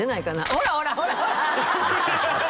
ほらほらほらほら！